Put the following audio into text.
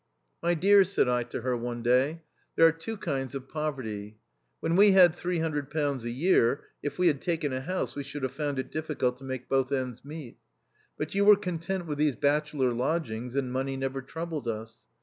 " My dear," said I to her one day, " there are two kinds of poverty. When we had £300 a year, if we had taken a house, we should have found it difficult to make both ends meet. But you were content with these bachelor lodg ings, and money never troubled us.